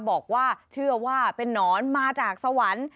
บอกว่าเชื่อว่าเป็นนอนมาจากสวรรค์